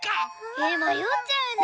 えまよっちゃうね。